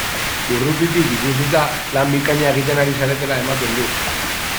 Urrutitik ikusita, lan bikaina egiten ari zaretela ematen du!